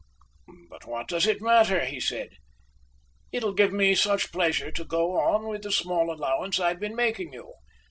"But what does it matter?" he said. "It'll give me such pleasure to go on with the small allowance I've been making you.